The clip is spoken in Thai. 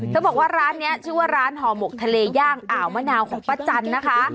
บอกว่าร้านนี้ชื่อว่าร้านห่อหมกทะเลย่างอ่าวมะนาวของป้าจันนะคะ